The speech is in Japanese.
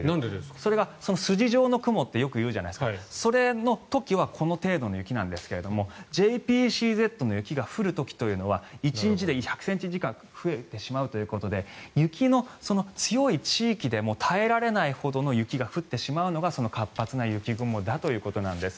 それがその筋状の雲ってよく言うじゃないですかそれの時はこの程度の雪なんですがＪＰＣＺの雪が降る時というのは１日で１００ｃｍ近く増えてしまうということで雪の強い地域でも耐えられないほどの雪が降ってしまうのが活発な雪雲だということです。